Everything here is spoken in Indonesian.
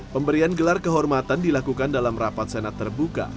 pemberian gelar kehormatan dilakukan dalam rapat senat terbuka